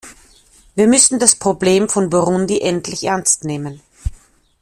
Wir müssen das Problem von Burundi endlich ernst nehmen.